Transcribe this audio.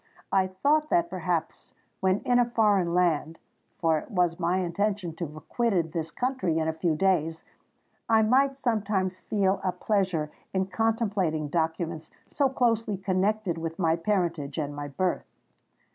I thought that, perhaps, when in a foreign land,—for it was my intention to have quitted this country in a few days,—I might sometimes feel a pleasure in contemplating documents so closely connected with my parentage and my birth.